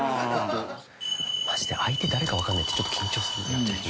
マジで相手誰かわかんないってちょっと緊張する。